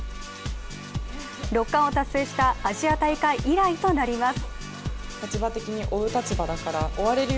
６冠を達成したアジア大会以来となります。